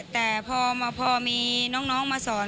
แต่พอมีน้องมาสอน